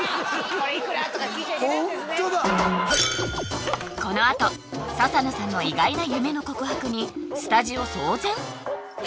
ホントだこのあと笹野さんの意外な夢の告白にスタジオ騒然！？